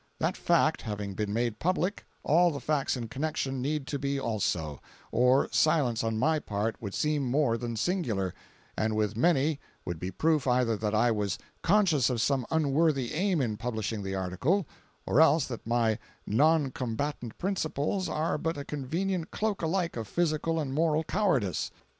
That fact having been made public, all the facts in connection need to be also, or silence on my part would seem more than singular, and with many would be proof either that I was conscious of some unworthy aim in publishing the article, or else that my "non combatant" principles are but a convenient cloak alike of physical and moral cowardice.